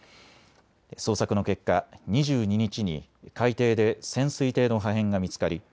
捜索の結果、２２日に海底で潜水艇の破片が見つかり